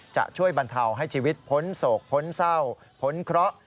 จะช่วยบรรเทาให้ชีวิตพ้นโศกพ้นเศร้าพ้นเคราะห์